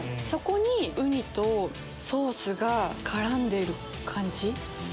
そこにウニとソースが絡んでる感じ。